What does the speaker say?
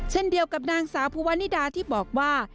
เช่นเดียวกับนางสาวภูวานิดาที่บอกว่า